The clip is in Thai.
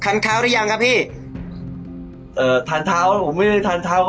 เท้าหรือยังครับพี่เอ่อทันเท้าผมไม่ได้ทานเท้า